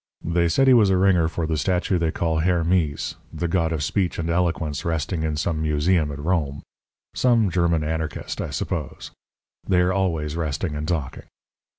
They said he was a ringer for the statue they call Herr Mees, the god of speech and eloquence resting in some museum at Rome. Some German anarchist, I suppose. They are always resting and talking.